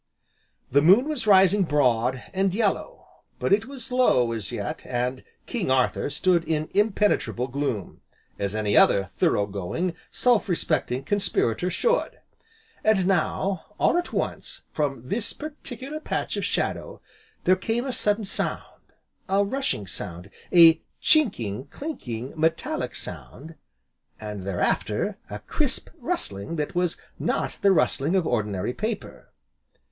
The moon was rising broad, and yellow, but it was low as yet, and "King Arthur" stood in impenetrable gloom, as any other thorough going, self respecting conspirator should; and now, all at once, from this particular patch of shadow, there came a sudden sound, a rushing sound, a chinking, clinking, metallic sound, and, thereafter, a crisp rustling that was not the rustling of ordinary paper.